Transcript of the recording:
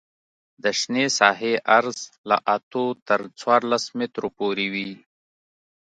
د شنې ساحې عرض له اتو تر څوارلس مترو پورې وي